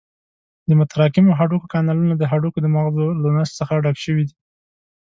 د متراکمو هډوکو کانالونه د هډوکو د مغزو له نسج څخه ډک شوي دي.